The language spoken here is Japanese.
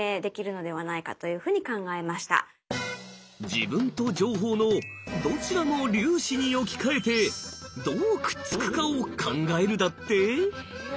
自分と情報のどちらも粒子に置き換えてどうくっつくかを考えるだって？え？